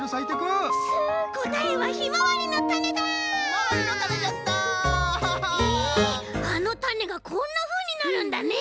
へえあのたねがこんなふうになるんだね！